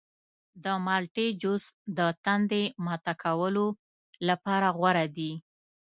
د مالټې جوس د تندې ماته کولو لپاره غوره دی.